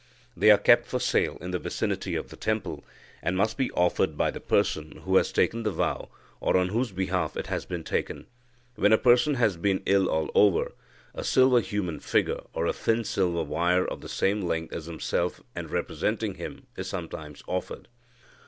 They are kept for sale in the vicinity of the temple, and must be offered by the person who has taken the vow, or on whose behalf it has been taken. When a person has been ill all over, a silver human figure, or a thin silver wire of the same length as himself, and representing him, is sometimes offered.